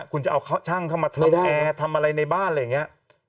คุณจะเอาช่างเข้ามาทำแอร์ทำอะไรในบ้านอะไรอย่างนี้